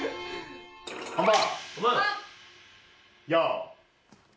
本番。